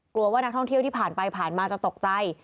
ว่านักท่องเที่ยวที่ผ่านไปผ่านมาจะตกใจ